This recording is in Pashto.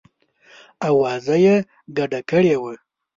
آوازه یې ګډه کړې وه.